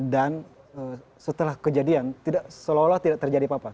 dan setelah kejadian tidak seolah olah tidak terjadi apa apa